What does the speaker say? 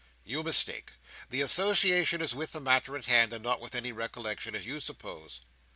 You mistake. The association is with the matter in hand, and not with any recollection, as you suppose.